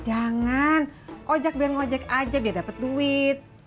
jangan ojak biar ngojek aja biar dapet duit